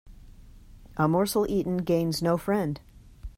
A morsel eaten gains no friend.